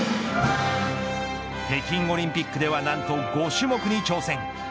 北京オリンピックでは何と５種目に挑戦。